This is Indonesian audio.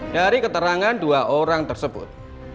dari keterangan dua orang tersebut